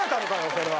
それは。